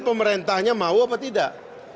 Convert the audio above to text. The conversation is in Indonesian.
pemerintahnya mau apa tidak